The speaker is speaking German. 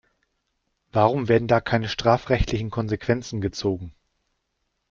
Warum werden da keine strafrechtlichen Konsequenzen gezogen?